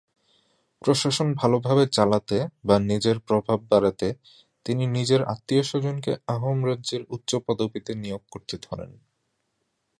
প্রশাসন ভালভাবে চালাতে বা নিজের প্রভাব বাড়াতে তিনি নিজের আত্মীয়-স্বজনকে আহোম রাজ্যের উচ্চ পদবীতে নিয়োগ করতে ধরেন।